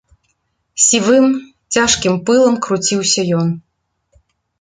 Сівым, цяжкім пылам круціўся ён.